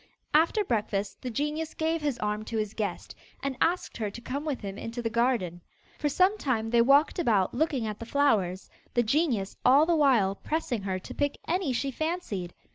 After breakfast the genius gave his arm to his guest, and asked her to come with him into the garden. For some time they walked about looking at the flowers, the genius all the while pressing her to pick any she fancied.